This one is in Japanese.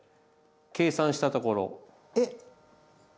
計算したところあっ